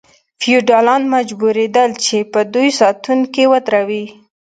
فیوډالان مجبوریدل چې په دوی ساتونکي ودروي.